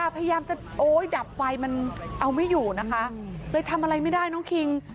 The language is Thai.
พยายามจะโอ๊ยดับไฟมันเอาไม่อยู่นะคะเลยทำอะไรไม่ได้น้องคิง